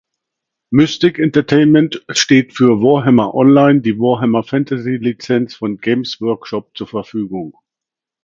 Mythic Entertainment steht für Warhammer Online die Warhammer-Fantasy-Lizenz von Games Workshop zur Verfügung.